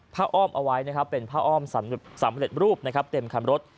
อ้อมเอาไว้นะครับเป็นผ้าอ้อมสำเร็จรูปนะครับเต็มคันรถ